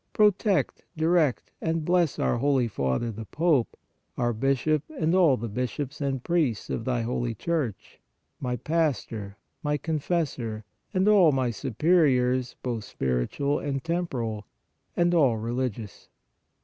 Pro tect, direct and bless our Holy Father the Pope, our bishop and all the bishops and priests of Thy holy Church, my pastor, my confessor, and all my su periors both spiritual and temporal, and all reli gious.